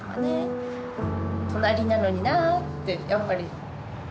隣なのになってやっぱり。